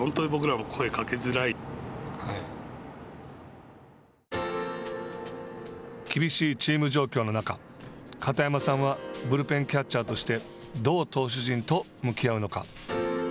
本当にそういう選手になってきたら厳しいチーム状況の中片山さんはブルペンキャッチャーとしてどう投手陣と向き合うのか。